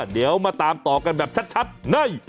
เดี๋ยวมาตามต่อกันแบบชัดใน